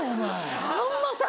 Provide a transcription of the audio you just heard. さんまさん！